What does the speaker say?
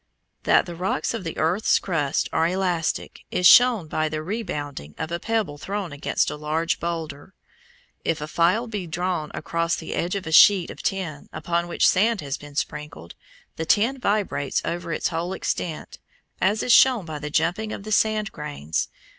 That the rocks of the earth's crust are elastic is shown by the rebounding of a pebble thrown against a large boulder. If a file be drawn across the edge of a sheet of tin upon which sand has been sprinkled, the tin vibrates over its whole extent, as is shown by the jumping of the sand grains.